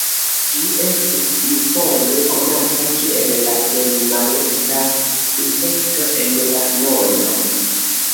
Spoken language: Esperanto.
Ĝi estis iufoje konata kiel la plej malofta insekto en la mondo.